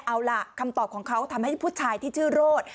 เอาล่ะคำตอบของเขาทำให้ผู้ชายที่ชื่อโรธ